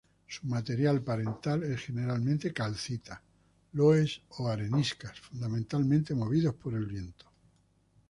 Su material parental es generalmente calcita, loess, o areniscas, fundamentalmente movidos por el viento.